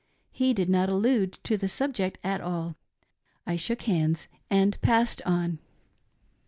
He did not allude to the subject at all. I shook handi and passed on.